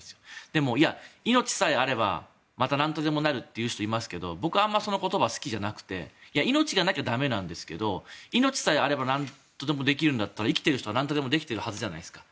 でも、命さえあればまたなんとでもなるって言う人いますけど僕はあまりその言葉は好きじゃなくて命がなきゃ駄目なんですけど命さえあればなんとでもできるんだったら生きている人もなんとでもできているはずじゃないですか。